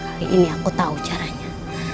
kali ini aku tau caranya